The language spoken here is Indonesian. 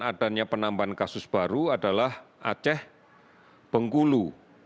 adanya penambahan kasus baru adalah aceh bengkulu